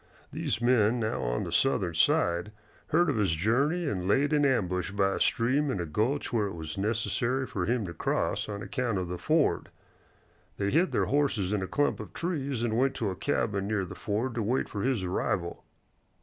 These men now on the Southern side heard of his journey and laid in ambush by a stream in a gulch where it was necessary for him to cross on account of the ford. They hid their horses in a clump of trees and went to a cabin near the ford to wait for his arrival.